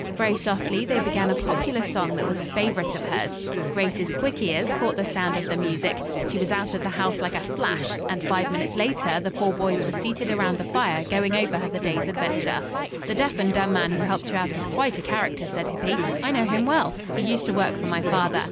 Very softly they began a popular song that was a favorite of hers. Grace's quick ears caught the sound of the music. She was out of the house like a flash, and five minutes later the four boys were seated around the fire going over the day's adventure. "The deaf and dumb man who helped you out is quite a character," said Hippy. "I know him well. He used to work for my father.